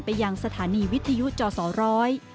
ไปยังสถานีวิทยุจศย